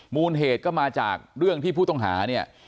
มูลเหตุก็มาจากเรื่องที่ผู้ต้องหาเนี่ย